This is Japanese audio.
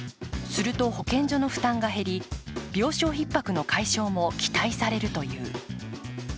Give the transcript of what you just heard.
すると保健所の負担が減り、病床ひっ迫の解消も期待されるという。